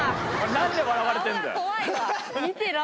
何で笑われてんだよ！